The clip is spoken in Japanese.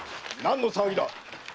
何の騒ぎだ